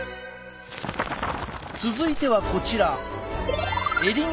続いてはこちら。